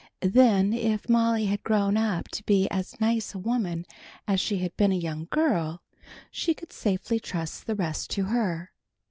Then if Molly had grown up to be as nice a woman as she had been a young girl, she could safely trust the rest to her.